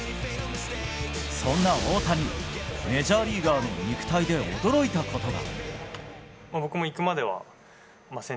そんな大谷メジャーリーガーの肉体で驚いたことが。